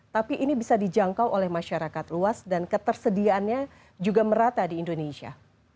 tapi ini bisa dijangkau oleh masyarakat luas dan ketersediaannya juga merata di indonesia